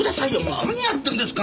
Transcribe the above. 何やってんですか